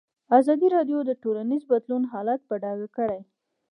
ازادي راډیو د ټولنیز بدلون حالت په ډاګه کړی.